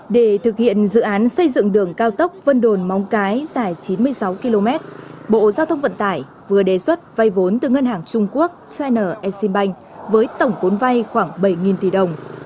để thực hiện dự án xây dựng đường cao tốc vân đồn móng cái dài chín mươi sáu km bộ giao thông vận tải vừa đề xuất vay vốn từ ngân hàng trung quốc chin exim bank với tổng vốn vay khoảng bảy tỷ đồng